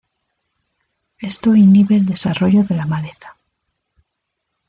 Esto inhibe el desarrollo de la maleza.